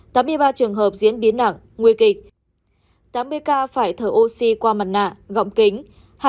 tám mươi ba trường hợp diễn biến nặng nguy kịch tám mươi ca phải thở oxy qua mặt nạ gọng kính